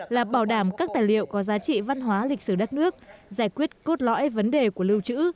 là bảo đảm các tài liệu có giá trị văn hóa lịch sử đất nước giải quyết cốt lõi vấn đề của lưu trữ